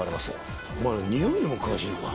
お前においにも詳しいのか。